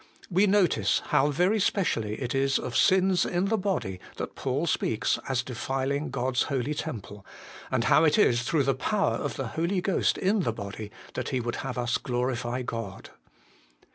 "We notice how very specially it is of sins in the body that Paul speaks as defiling God's holy temple ; and how it is through the power of the Holy Ghost in the body that he would have us glorify God.